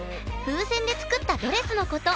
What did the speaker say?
風船で作ったドレスのこと。